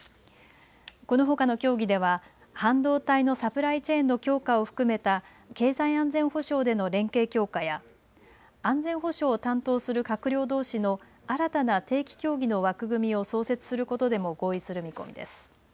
このほかの協議では半導体のサプライチェーンの強化を含めた経済安全保障での連携強化や安全保障を担当する閣僚どうしの新たな定期協議の枠組みを創設することでも合意する見込みです。